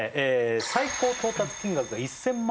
最高到達金額が１０００万